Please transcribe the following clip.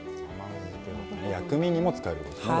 薬味にも使えるわけですね。